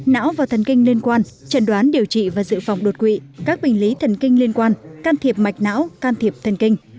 não và thần kinh liên quan chẩn đoán điều trị và dự phòng đột quỵ các bệnh lý thần kinh liên quan can thiệp mạch não can thiệp thần kinh